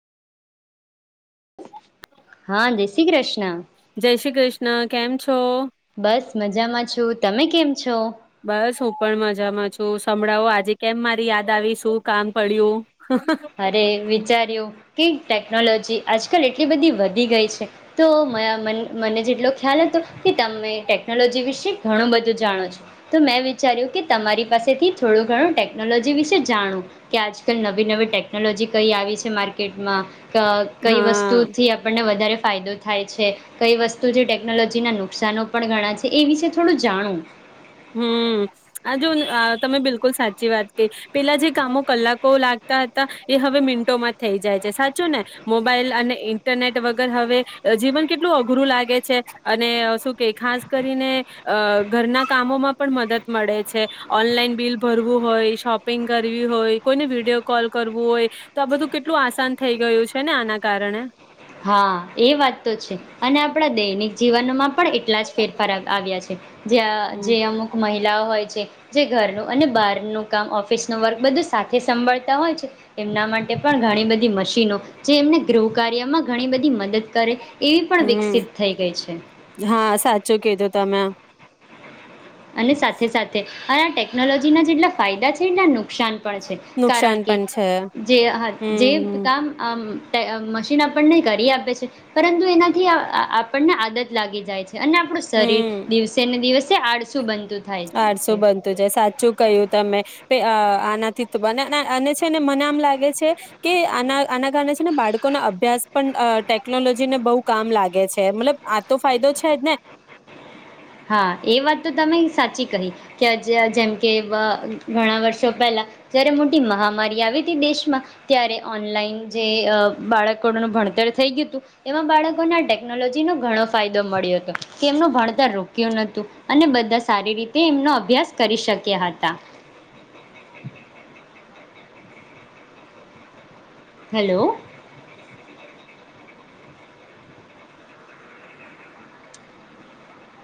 હા જય શ્રી કૃષ્ણ. જય શ્રી કૃષ્ણ કેમ છો? બસ મજામાં છું તમે કેમ છો? તો સંભળાવો આજે કેમ મારી યાદ આવી શું કામ પડ્યું? અરે વિચાર્યું કે ટેકનોલોજી આજકાલ એટલી બધી વધી ગઈ છે, તો મ મને જેટલો ખ્યાલ હતો કે તમે ટેકનોલોજી વિશે ઘણું બધું જાણો છો, તો મેં વિચાર્યું કે તમારી પાસેથી થોડું ઘણું ટેકનોલોજી વિશે જાણવું, કે આજકાલ નવી નવી ટેક ટેકનોલોજી કઈ આવી છે માર્કેટમાં. ક કઈ હા વસ્તુથી આપણને વધારે ફાયદો થાય છે, કઈ વસ્તુ જે ટેકનોલોજીના નુકસાનો પણ ઘણા છે એ વિશે થોડું જાણું. હમમ આ જો આ તમે બિલકુલ સાચી વાત કહી, પેલા જે કામો કલાકો લાગતા હતા, એ હવે મિનટોમાં થઈ જાય છે સાચુ ને મોબાઈલ અને ઈન્ટરનેટ વગર હવે જીવન કેટલું અઘરું લાગે છે, અને શું કે ખાસ કરીને અઅઅ ઘરના કામોમાં પણ મદદ મળે છે, ઓનલાઈન બિલ ભરવું હોય શોપિંગ કરવી હોય કોઈને વિડીિયો કોલ કરવું હોય, તો આ બધું કેટલું આસાન થઈ ગયું છે ને આના કારણે. હા એ વાત તો છે, અને આપડા દૈનિક જીવનોમાં પણ એટલા જ ફેરફાર આવ્યા છે. જ્યાં હમ જે અમુક મહિ હોય છે, જે ઘરનું અને બારનું કામ ઓફિસ નુ વર્ક બધુ જ સાથે સંભળતા હોય છે, એમના માટે પણ ઘણી બધી મશીનો, જે એમને ગૃહ કાર્યમાં ઘણી બધી મદદ કરે એવી પણ હમ, વિકસિત થઈ ગઈ છે હા સાચું કીધું. તમે. અને સાથે સાથે આ ટેકનોલોજી ના જેટલા ફાયદા છે નુકસાન પડે છે, કારણ નુકસાન કે પણ છે જે હમ જે હમ કામ મશીન આપણને કરી આપે છે, પરંતુ એનાથી આઅ આપણને આદત લાગી જાય છે. અને આપણું શરીર, હમ દિવસે ને દિવસે જે આડ સુબંધ આળસુ બનતું છે સાચું કહ્યું તમે, પેઅઆ આના ઠીક બનાના અને છે ને મને આમ લાગે છે, કે આ આના કારણે છે ને બાળકોના અભ્યાસ પણ ટેકનોલોજીને બહુ કામ લાગે છે મતલબ આ તો ફાયદો છે જ ને. હા એ વાત તો તમે સાચી કહી, કે જેમ કે વ ઘણા વર્ષો પહેલા, જ્યારે મોટી મહામારી આવી તી દેશમાં ત્યારે ઓનલાઈન જે બાળકોનું ભણતર થઈ ગયું હતું એમાં બાળકોને ટેકનોલોજીનો ઘણો ફાયદો મળ્યો હતો, કે એમનું ભણતર રોક અને બધા સારી રીતે એમનો અભ્યાસ કરી શક્યા હતા. હલો.